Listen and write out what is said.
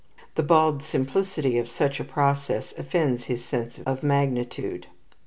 The bald simplicity of such a process offends his sense of magnitude.